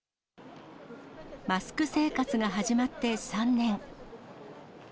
マスク生活が始まって３年。